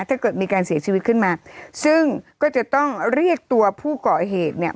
ถ้าเกิดมีการเสียชีวิตขึ้นมาซึ่งก็จะต้องเรียกตัวผู้ก่อเหตุเนี่ย